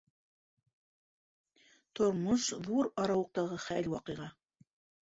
Тормош ҙур арауыҡтағы хәл-ваҡиға.